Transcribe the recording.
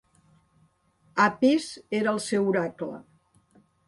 Apis era el seu oracle.